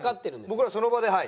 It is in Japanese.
僕らその場ではい。